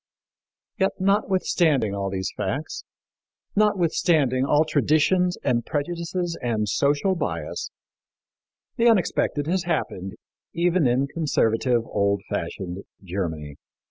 Yet, notwithstanding all these facts, notwithstanding all traditions and prejudices and social bias, the unexpected has happened, even in conservative, old fashioned Germany.